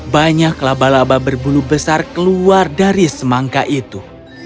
banyak laba laba berbulu besar keluar dari semangka itu